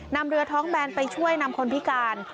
นำเรือท้องแบนไปช่วยนำคนพิการ